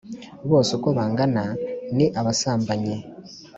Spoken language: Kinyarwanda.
Bose uko bangana ni abasambanyi;